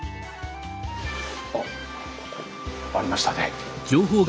あっありましたね。